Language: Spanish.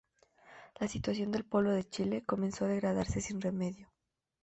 La situación del pueblo de Chile comenzó a degradarse sin remedio.